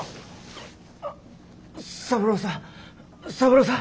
三郎さん三郎さん。